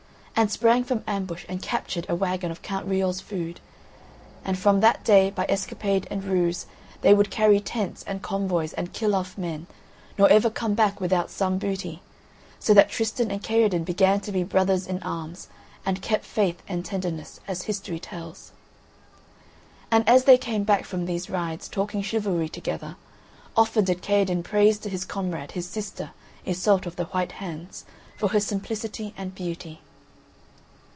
And sprang from ambush and captured a waggon of Count Riol's food; and from that day, by escapade and ruse they would carry tents and convoys and kill off men, nor ever come back without some booty; so that Tristan and Kaherdin began to be brothers in arms, and kept faith and tenderness, as history tells. And as they came back from these rides, talking chivalry together, often did Kaherdin praise to his comrade his sister, Iseult of the White Hands, for her simplicity and beauty.